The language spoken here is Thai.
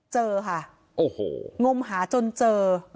เจอค่ะงมหาจนเจอ